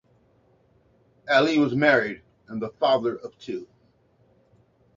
Ali was married and the father of two.